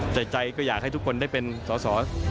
แต่ใจก็อยากให้ทุกคนได้เป็นสอสอ